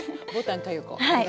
はい。